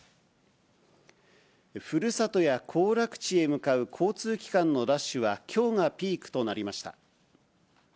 ふるさとや行楽地へ向かう交通機関のラッシュは、きょうがピークとなりました。